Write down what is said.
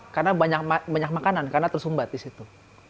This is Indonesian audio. karena banyak makanan karena tersumbat di situ